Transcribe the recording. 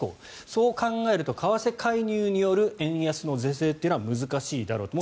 そう考えると為替介入による円安の是正は難しいだろうと。